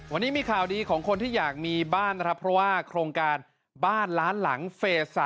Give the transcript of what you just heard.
วันนี้มีข่าวดีของคนที่อยากมีบ้านนะครับเพราะว่าโครงการบ้านล้านหลังเฟส๓